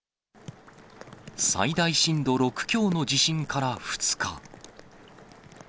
最大震度６強の地震から２日。